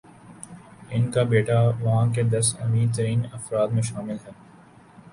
ان کا بیٹا وہاں کے دس امیرترین افراد میں شامل ہے۔